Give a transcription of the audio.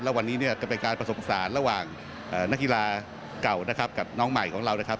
และวันนี้จะเป็นการประสงค์สานระหว่างนักฮีลาก่อกับน้องใหม่ของเราครับ